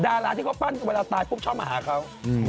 ดาราที่เขาปั้นเวลาตายปุ๊บชอบมาหาเขา